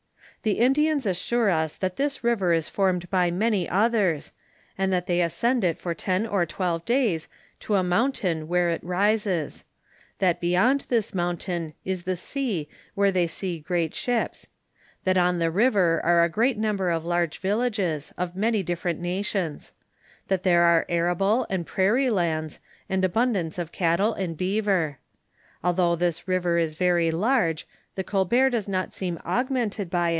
The Indians as sure us that this river is formed by many others, and that they ascend it for ten or twelve days to a mountain where it rises ; that beyond this mountain is the sea where they see great ships ; that on the river are a great number of large villages, of many different nations ; that there are arable and prairie lands, and abundance of cattle and beaver. Although this river ir "ery large, the Colbert does not seem augmented by